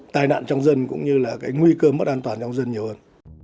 tai nạn trong dân cũng như là cái nguy cơ mất an toàn trong dân nhiều hơn